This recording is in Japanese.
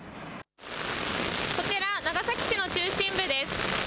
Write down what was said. こちら長崎市の中心部です。